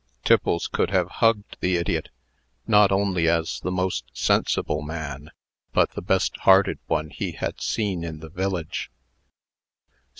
Tiffles could have hugged the idiot, not only as the most sensible man, but the best hearted one he had seen in the village.